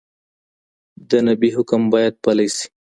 د نبي حکم باید پلی سي.